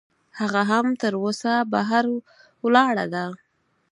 هغه هم تراوسه بهر ولاړه ده.